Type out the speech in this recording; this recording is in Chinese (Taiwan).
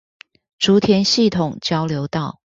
竹田系統交流道